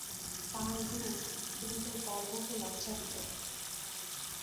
তাঁর রূপ রূপের গর্বকে লজ্জা দিত।